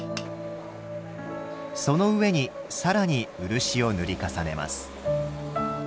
その上に更に漆を塗り重ねます。